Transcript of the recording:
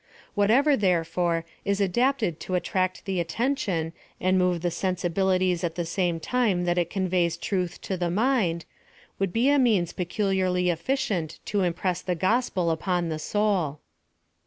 Whatever, therefore, is adapted to attract the attention and move the sensibilities at the same time tha. it conveys truth to the mind, would be a means peculiarly efficient to impress the gospel upon the soul.